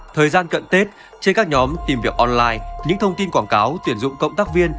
thời gian cận tết trên các nhóm tìm việc online những thông tin quảng cáo tuyển dụng cộng tác viên